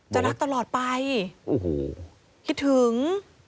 จะรักตลอดไปคิดถึง